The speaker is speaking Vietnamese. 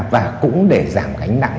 và cũng để giảm gánh nặng